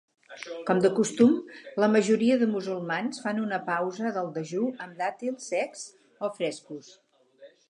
Com de costum, la majoria de musulmans fan una pausa del dejú amb dàtils secs o frescos.